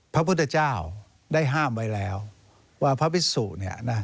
พระพุทธเจ้าได้ห้ามไว้แล้วว่าพระพิสุเนี่ยนะ